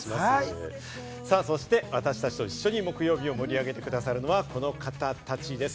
私たちと一緒に木曜日を盛り上げてくださるのは、この方たちです。